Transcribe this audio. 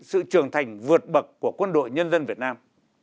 sự trưởng thành vượt bậc của quân đội nhân dân việt nam